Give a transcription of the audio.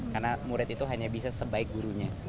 karena murid itu hanya bisa sebaik gurunya